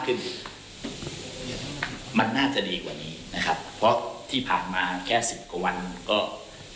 ซึ่งทางสมาคมกีฬาฟุตบอลก็พร้อมที่จะสนุนและอำนวยความสะดวกอย่างต่อเนื่อง